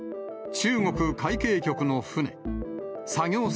中国海警局の船。